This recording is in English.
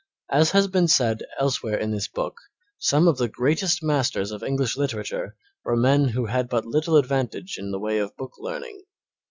As has been said elsewhere in this book, some of the greatest masters of English literature were men who had but little advantage in the way of book learning.